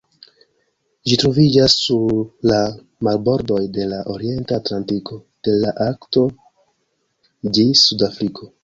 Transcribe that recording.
Ĝi troviĝas sur la marbordoj de la Orienta Atlantiko, de la Arkto ĝis Sud-Afriko.